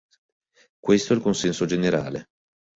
Questo è il consenso generale.